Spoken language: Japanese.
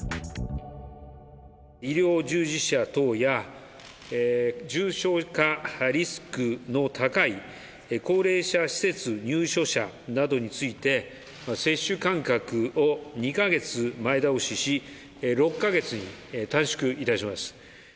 医療従事者等や、重症化リスクの高い高齢者施設入所者などについて、接種間隔を２か月前倒しし、６か月に短縮いたします。